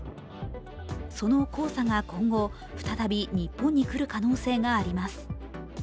その黄砂が今度、再び日本に来る可能性があります。